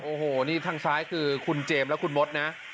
โอ้โหนี่ทางซ้ายคือคุณเจมส์และคุณมดนะ